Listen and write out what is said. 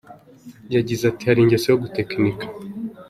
Yagize ati “Hari ingeso yo gutekinika.